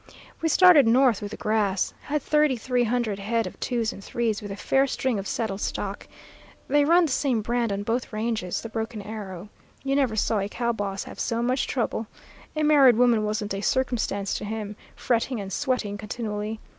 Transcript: "We started north with the grass. Had thirty three hundred head of twos and threes, with a fair string of saddle stock. They run the same brand on both ranges the broken arrow. You never saw a cow boss have so much trouble; a married woman wasn't a circumstance to him, fretting and sweating continually.